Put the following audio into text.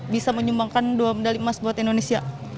bisa menyumbangkan dua medali emas buat indonesia